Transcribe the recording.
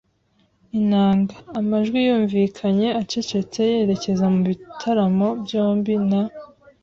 inanga. Amajwi yumvikanye acecetse yerekeza mu bitaramo byombi; na